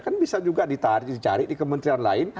kan bisa juga dicari di kementerian lain